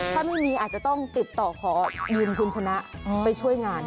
ถ้าไม่มีอาจจะต้องติดต่อขอยืมคุณชนะไปช่วยงาน